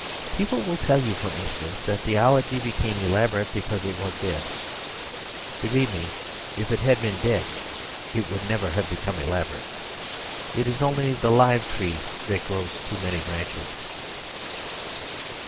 People will tell you, for instance, that theology became elaborate because it was dead. Believe me, if it had been dead it would never have become elaborate; it is only the live tree that grows too many branches.